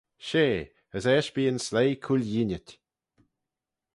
She, as eisht bee yn sleih cooilleenit.